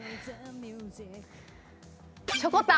しょこたん